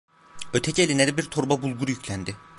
Öteki eline de bir torba bulgur yüklendi.